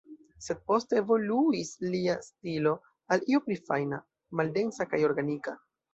Sed poste, evoluis lia stilo, al io pli fajna, maldensa, kaj organika.